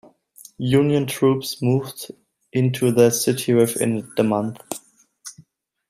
Union troops moved into the city within the month.